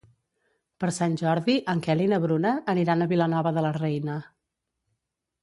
Per Sant Jordi en Quel i na Bruna aniran a Vilanova de la Reina.